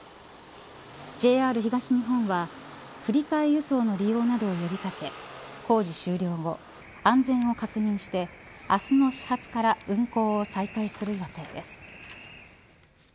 ＪＲ東日本は振り替え輸送の利用などを呼び掛け工事終了後、安全を確認して明日の始発から運行を再開する予定です。